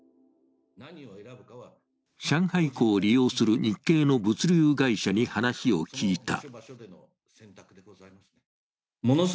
上海港を利用する日系の物流会社に話を聞いた。